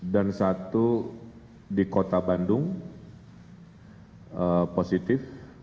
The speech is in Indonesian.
dan satu di kota bandung positif